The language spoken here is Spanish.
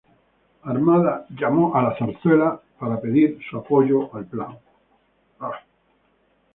Armada llamó a la Zarzuela para pedir su apoyo al plan.